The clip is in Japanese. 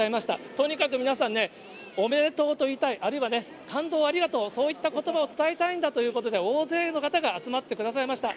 とにかく皆さんね、おめでとうと言いたい、あるいは感動をありがとう、そういったことばを伝えたいんだということで、大勢の方が集まってくださいました。